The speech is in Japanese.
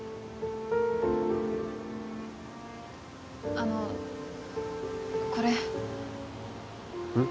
あのこれうん？